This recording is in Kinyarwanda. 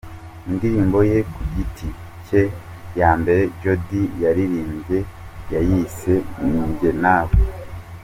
Indirimbo ye ku giti cye ya mbere Jody yaririmbye yayise Ni njye nawe.